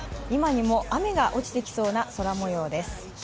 今にも雨が落ちてきそうな空もようです。